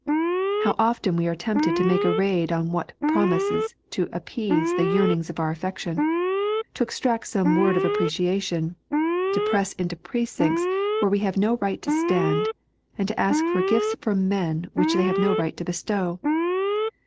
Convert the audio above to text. How often we are tempted to make a raid on what promises to appease the yearnings of our affection ; to extract some word of appreciation ; to press into precincts where we have no right to stand, and to ask for gifts from men which they have no right to bestow.